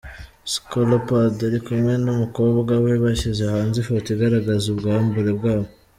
Skolopad ari kumwe n’ umukobwa we bashyize hanze ifoto igaragaza ubwambure bwabo.